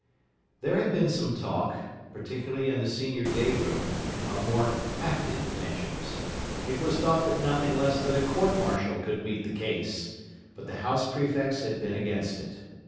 There had been some talk, particularly in the senior day room, of more active measures. It was thought that nothing less than a court martial could meet the case. But the house prefects had been against it.